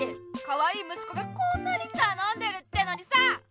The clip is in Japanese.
かわいいむすこがこんなにたのんでるってのにさ！